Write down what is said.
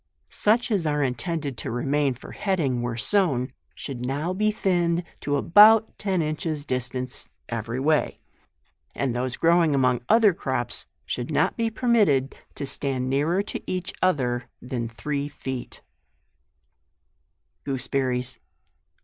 Such as are intended to remain for heading where sown, should now be thinned to about ten inches distance every way ; and those growing among other crops should not be permitted to stand nearer to each other than three feet, GOOSEBERRIES.